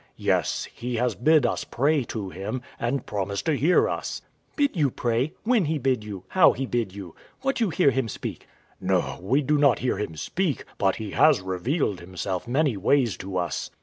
W.A. Yes, He has bid us pray to Him, and promised to hear us. Wife. Bid you pray? When He bid you? How He bid you? What you hear Him speak? W.A. No, we do not hear Him speak; but He has revealed Himself many ways to us.